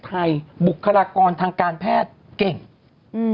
พี่เราหลุดมาไกลแล้วฝรั่งเศส